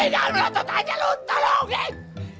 jangan meletup aja lo tolong hei